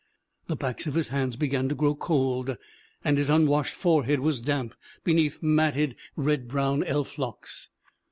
The backs of his hands began to grow cold and his un washed forehead was damp beneath matted, red brown elf locks.